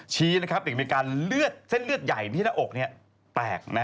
ชี้เด็กอเมริกาเส้นเลือดใหญ่ที่หน้าอกแตก